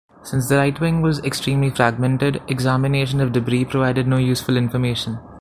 Since the right wing was extremely fragmented, examination of debris provided no useful information.